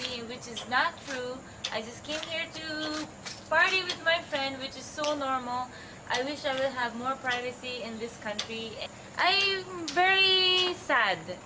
orang orang akan membuat penyuluran seperti itu tentang saya